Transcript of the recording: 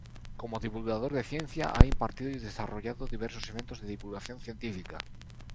Como divulgador de ciencia, ha impartido y desarrollado diversos eventos de divulgación científica.